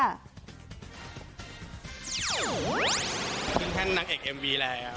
เป็นแท่นนางเอกเอ็มวีแหละไง